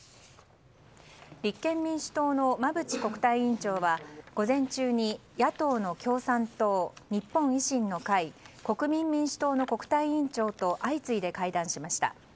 立憲民主党の馬淵国対委員長は午前中に野党の共産党、日本維新の会国民民主党の国対委員長と相次いで会談しました。